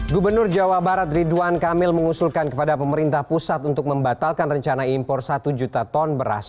gubernur jawa barat ridwan kamil mengusulkan kepada pemerintah pusat untuk membatalkan rencana impor satu juta ton beras